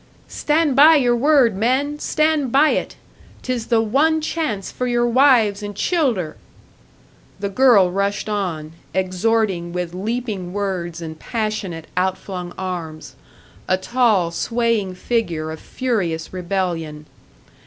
"Stand by your word, men! Stand by it! 'Tis the one chance for your wives and childer!" The girl rushed on exhorting with leaping words and passionate out flung arms a tall, swaying figure of furious rebellion.